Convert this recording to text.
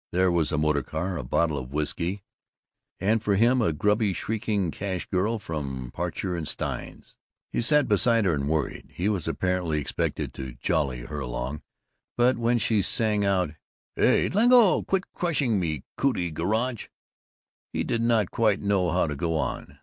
There was a motor car, a bottle of whisky, and for him a grubby shrieking cash girl from Parcher and Stein's. He sat beside her and worried. He was apparently expected to "jolly her along," but when she sang out, "Hey, leggo, quit crushing me cootie garage," he did not quite know how to go on.